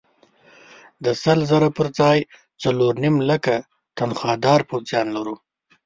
د سل زره پر ځای څلور نیم لکه تنخوادار پوځیان لرو.